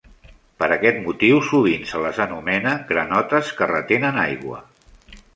Per aquest motiu sovint se les anomena "granotes que retenen aigua".